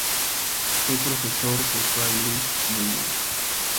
Fue profesor de fray Luis de León.